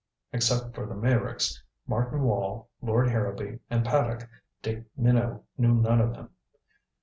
Except for the Meyricks, Martin Wall, Lord Harrowby and Paddock, Dick Minot knew none of them.